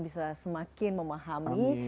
bisa semakin memahami